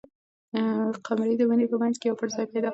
قمرۍ د ونې په منځ کې یو پټ ځای پیدا کړ.